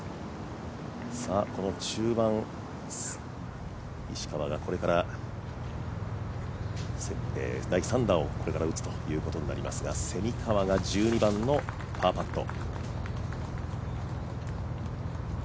この中盤、石川がこれから第３打を打つことになりますが、蝉川が１２番のパーパット。